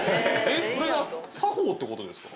えっ、これが作法っていうことですか？